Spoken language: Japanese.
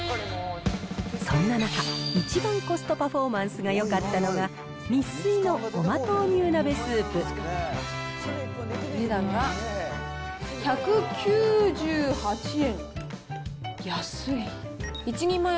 そんな中、一番コストパフォーマンスがよかったのがニッスイのごま豆乳鍋スお値段が１９８円。